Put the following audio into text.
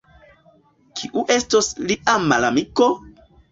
Kiu estos lia malamiko?